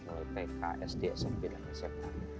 melalui tk sd smb dan sma